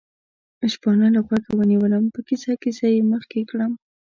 شپانه له غوږه ونیوم، په کیسه کیسه یې مخکې کړم.